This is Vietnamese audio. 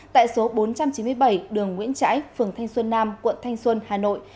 tại số bốn trăm chín mươi bảy đường nguyễn trãi phường thanh xuân nam quận thanh xuân hà nội